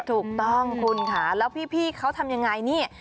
ถูกต้องคุณค่ะแล้วพี่เขาทำยังไงนี่